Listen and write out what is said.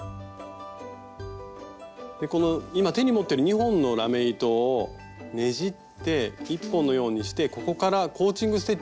この今手に持ってる２本のラメ糸をねじって１本のようにしてここからコーチング・ステッチをしていきます。